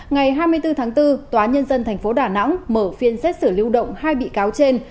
ngày hai mươi bốn tháng bốn tòa nhân dân tp đà nẵng mở phiên xét xử lưu động hai bị cáo trên